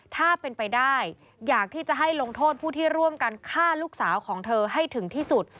ถ้าเป็นไปได้อยากที่จะให้ลงโทษผู้ที่ร่วมกันฆ่าลูกสาวของเธอให้ถึงที่สุด